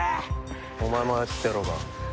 お前も操ってやろうか？